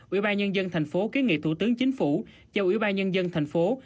ủy ban nhân dân tp hcm kế nghị thủ tướng chính phủ cho ủy ban nhân dân tp hcm